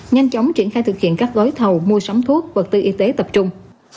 nhanh chóng triển khai thực hiện các gói thầu mua sắm thuốc vật tư y tế tập trung